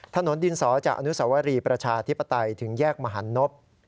ถนนดินสอจากอนุสวรีประชาธิปไตยถึงแยกมหันนบ